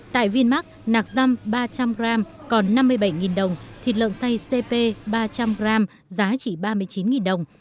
tại vinmark nạc răm ba trăm linh g còn năm mươi bảy đồng thịt lợn say cp ba trăm linh g giá chỉ ba mươi chín đồng